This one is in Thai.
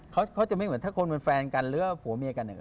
เขาจะไม่เหมือนถ้าคนเป็นแฟนกันหรือว่าผัวเมียกัน